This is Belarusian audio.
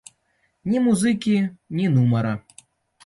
Ні музыкі, ні нумара.